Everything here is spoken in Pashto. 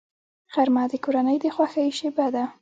غرمه د کورنۍ د خوښۍ شیبه ده